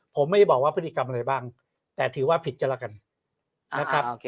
ผมไม่ได้บอกว่าพฤติกรรมอะไรบ้างแต่ถือว่าผิดกันแล้วกันนะครับ